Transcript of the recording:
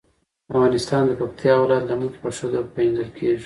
افغانستان د پکتیکا د ولایت له مخې په ښه توګه پېژندل کېږي.